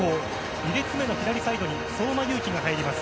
２列目の左サイドに相馬勇紀が入ります。